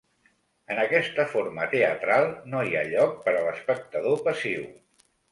En aquesta forma teatral, no hi ha lloc per a l'espectador passiu.